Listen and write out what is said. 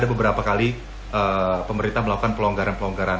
dan beberapa kali pemerintah melakukan pelonggaran pelonggaran